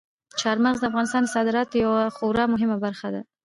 چار مغز د افغانستان د صادراتو یوه خورا مهمه برخه ده.